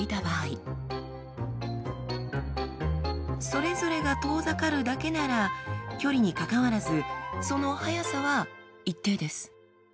それぞれが遠ざかるだけなら距離にかかわらずその速さは一定です。